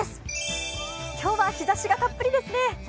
今日は日ざしがたっぷりですね。